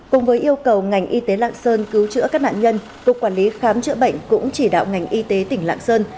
cùng với yêu cầu ngành y tế lạng sơn cứu chữa các nạn nhân cục quản lý khám chữa bệnh cũng chỉ đạo ngành y tế tỉnh lạng sơn